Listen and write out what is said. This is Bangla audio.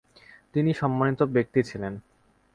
তিনি সম্মানিত ব্যক্তি ছিলেন।